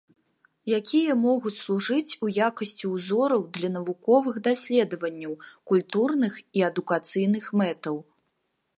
Якія могуць служыць у якасці ўзораў для навуковых даследванняў, культурных і адукацыйных мэтаў.